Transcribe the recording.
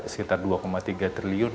sekitar dua tiga triliun